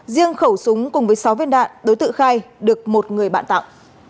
riêng khẩu súng cùng với sáu viên đạn đối tượng khai được một người bạn tặng